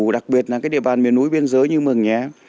đặc biệt là cái địa bàn miền núi biên giới như mường nhé